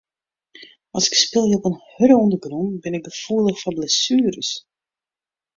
As ik spylje op in hurde ûndergrûn bin ik gefoelich foar blessueres.